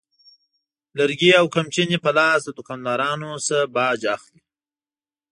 لرګي او قمچینې په لاس د دوکاندارانو نه باج اخلي.